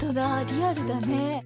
リアルだね。